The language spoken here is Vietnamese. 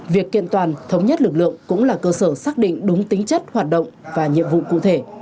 việc kiện toàn thống nhất lực lượng cũng là cơ sở xác định đúng tính chất hoạt động và nhiệm vụ cụ thể